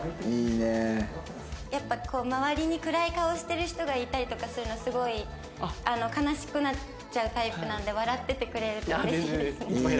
やっぱ周りに暗い顔してる人がいたりとかするのすごいあの悲しくなっちゃうタイプなんで笑っててくれるとうれしいですね。